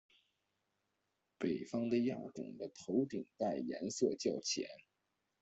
北方的亚种的头顶盖颜色较浅。